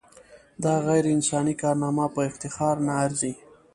دا غیر انساني کارنامه په افتخار نه ارزي.